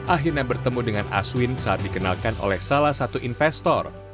akhirnya bertemu dengan aswin saat dikenalkan oleh salah satu investor